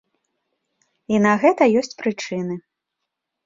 І на гэта ёсць прычыны.